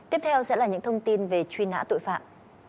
tiếp theo sẽ là những thông tin về truy nã tội phạm